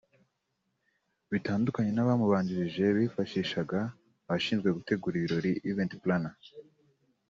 Bitandukanye n’abamubanjirije bifashishaga abashinzwe gutegura ibirori (event planner)